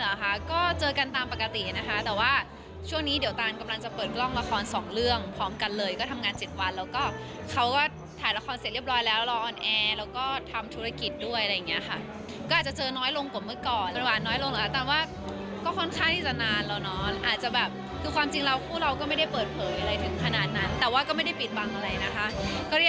แล้วเราก็ค่อนข้างจะโอเคกับอันนี้